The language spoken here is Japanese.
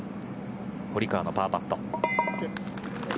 堀川のパーパット。